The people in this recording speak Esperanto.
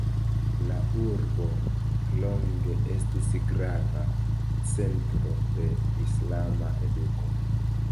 La urbo longe estis grava centro de islama eduko.